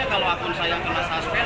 kalau akun saya